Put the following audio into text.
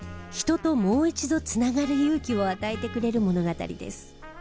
人ともう一度繋がる勇気を与えてくれる物語です。